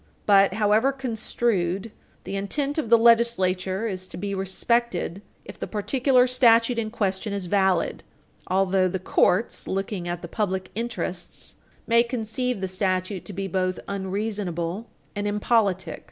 But however construed, the intent of the legislature is to be respected, if the particular statute in question is valid, although the courts, looking at the public interests, may conceive the statute to be both unreasonable and impolitic.